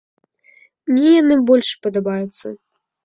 Мне яны больш падабаюцца.